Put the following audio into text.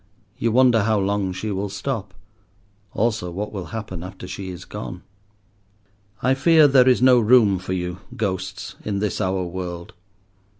You wonder how long she will stop, also what will happen after she is gone. I fear there is no room for you, ghosts, in this our world.